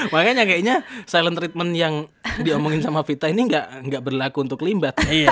makanya kayaknya silent treatment yang diomongin sama vita ini gak berlaku untuk limbad